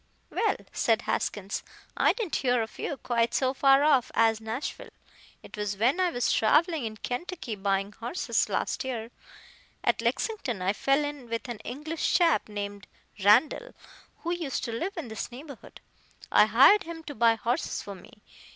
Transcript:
"Well," said Haskins, "I didn't hear of you quite so far off as Nashville. It was when I was travelling in Kentucky buying horses, last year. At Lexington I fell in with an English chap named Randall, who used to live in this neighborhood. I hired him to buy horses for me.